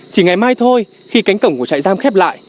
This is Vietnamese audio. chỉ ngày mai thôi khi cánh cổng của chạy giam khép lại